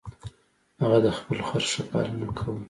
هغه د خپل خر ښه پالنه کوله.